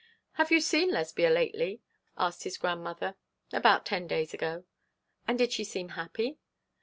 'Have you seen Lesbia lately?' asked his grandmother. 'About ten days ago.' 'And did she seem happy?'